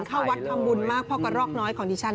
เข้าวัดทำบุญมากพอกระรอกน้อยของดิฉัน